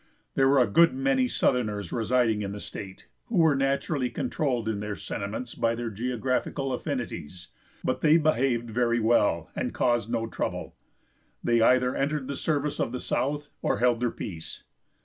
There were a good many Southerners residing in the state, who were naturally controlled in their sentiments by their geographical affinities, but they behaved very well, and caused no trouble. They either entered the service of the South or held their peace.